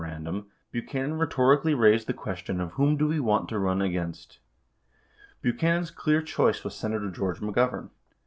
160 randum, Buchanan rhetorically raised the question of "whom [do] we want to run against." 98 Buchanan's clear choice was Senator George McGovern.